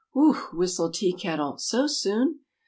whistled Tea Kettle. "So soon?"